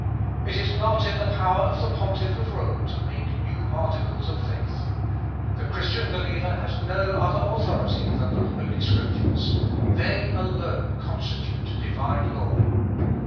It is not in the power of the pontiff of Rome to make new articles of faith. The Christian believer has no other authority than the Holy Scriptures they alone constitute divine law.